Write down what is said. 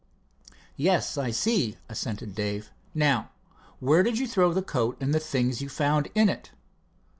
"Yes, I see," assented Dave. "Now, where did you throw the coat and the things you found In it?"